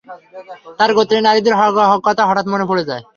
তাঁর গোত্রের নারীদের কথা হঠাৎ মনে পড়ে যায়।